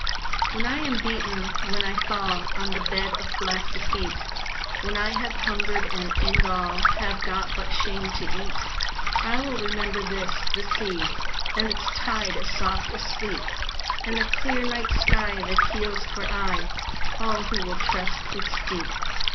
When I am beaten when I fall On the bed of black defeat, When I have hungered, and in gall Have got but shame to eat, I will remember this the sea, And its tide as soft as sleep, And the clear night sky That heals for aye All who will trust its Deep.